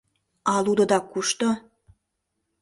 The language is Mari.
А лудыда кушто?